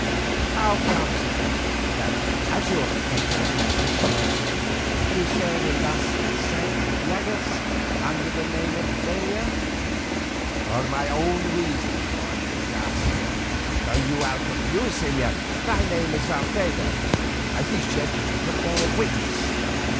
How comes it then that, as your companion the priest tells me, you sailed in Las Cinque Llagas under the name of d'Aila?" "For my own reasons, Juan de Garcia." "You are confused, señor. My name is Sarceda, as these gentlemen can bear me witness.